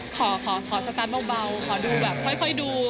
ขอสตาร์ทเบาขอดูแบบค่อยดู